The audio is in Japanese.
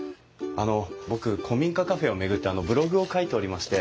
あの僕古民家カフェを巡ってブログを書いておりまして。